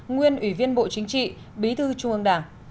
nguyên ủy viên bộ chính trị bí thư trung ương đảng